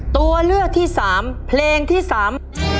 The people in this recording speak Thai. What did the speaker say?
ตัวเลือกที่สามเพลงที่สาม